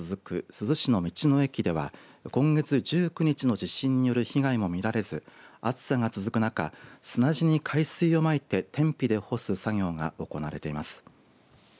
珠洲市の道の駅では今月１９日の地震による被害も見られず暑さが続く中砂地に海水をまいて天日で干す作業が行われています。